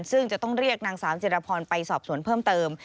ซึ่งจะต้องเรียกนางสาวจิรพรไปสอบสวนเพิ่มเติม